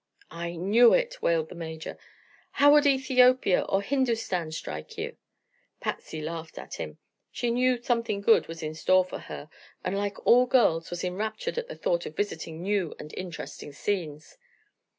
"I knew it!" wailed the Major. "How would Ethiopia or Hindustan strike you?" Patsy laughed at him. She knew something good was in store for her and like all girls was enraptured at the thought of visiting new and interesting scenes.